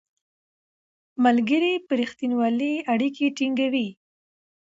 ملګري په رښتینولۍ اړیکې ټینګوي